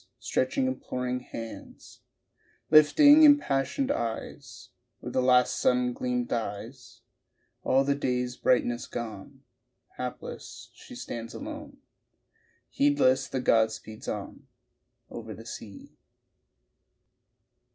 Stretching imploring hands, Lifting impassioned eyes Where the last sun gleam dies; All the day's brightness gone, Hapless she stands alone, Heedless the god speeds on Over the sea.